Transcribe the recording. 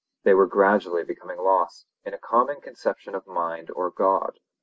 They were gradually becoming lost in a common conception of mind or God.